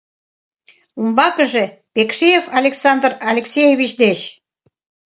Умбакыже: Пекшиев Александр Алексеевич деч.